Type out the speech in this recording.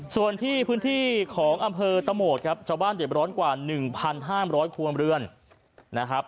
ส่วนที่พื้นที่ของอำเภอตะโหมดครับชาวบ้านเด็ดร้อนกว่า๑๕๐๐ครัวเรือนนะครับ